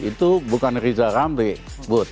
itu bukan rizal ramli bud